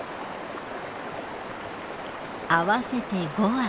合わせて５羽。